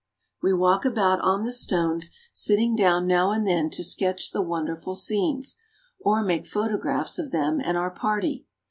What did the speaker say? We walk about on the stones, sitting down now and then to sketch the wonderful scenes, or make photographs of them and our party.